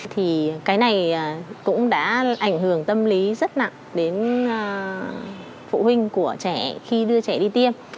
thì cái này cũng đã ảnh hưởng tâm lý rất nặng đến phụ huynh của trẻ khi đưa trẻ đi tiêm